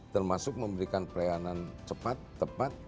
termasuk memberikan pelayanan cepat tepat